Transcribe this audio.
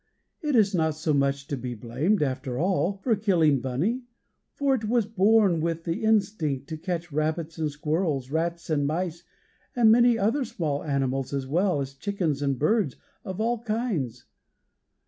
It is not so much to be blamed, after all, for killing Bunny, for it was born with the instinct to catch rabbits and squirrels, rats, mice, and many other small animals, as well as chickens and birds of all kinds.